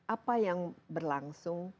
apa yang berlangsung